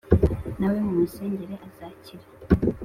Na we mumusengere azakire